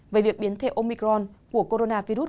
về việc biến thể omicron của coronavirus